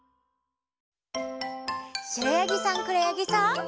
しろやぎさんくろやぎさん。